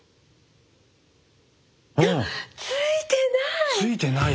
あっついてない！